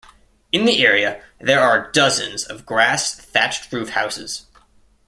In the area there are dozens of grass thatched roof houses.